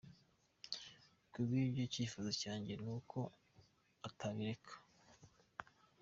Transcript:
Ku bw’ibyo icyifuzo cyanjye ni uko atabireka.